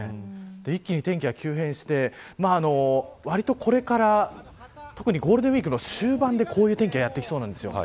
一気に天気が急変してわりとこれから特にゴールデンウイークの終盤でこういう天気がやってきそうなんです。